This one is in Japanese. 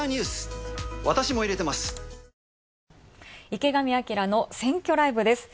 「池上彰の選挙ライブ」です。